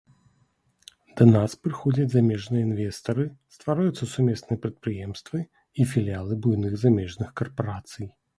Да нас прыходзяць замежныя інвестары, ствараюцца сумесныя прадпрыемствы і філіялы буйных замежных карпарацый.